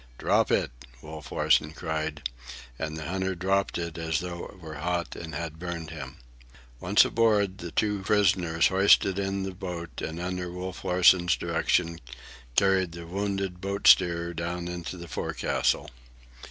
"Drop it!" Wolf Larsen cried, and the hunter dropped it as though it were hot and had burned him. Once aboard, the two prisoners hoisted in the boat and under Wolf Larsen's direction carried the wounded boat steerer down into the forecastle.